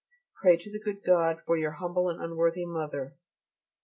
Pray to the good God for Your humble and unworthy Mother.